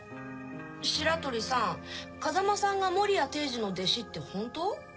白鳥さん風間さんが森谷帝ニの弟子ってホント？